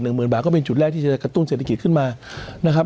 หมื่นบาทก็เป็นจุดแรกที่จะกระตุ้นเศรษฐกิจขึ้นมานะครับ